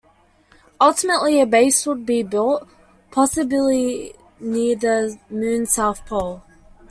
Ultimately a base would be built, possibly near the Moon's south pole.